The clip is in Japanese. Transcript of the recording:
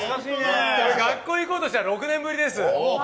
「学校へ行こう！」としては６年ぶりです。